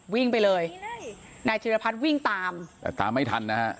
วิ่งไปเลยนายธิรพัฒน์วิ่งตามแต่ตามไม่ทันนะฮะ